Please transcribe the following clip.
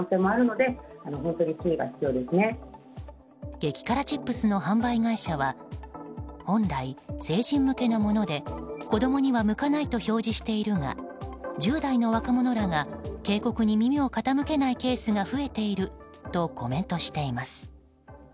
激辛チップスの販売会社は本来、成人向けのもので子供には向かないと表示しているが１０代の若者らが警告に耳を傾けないケースが増えているとコメントしています。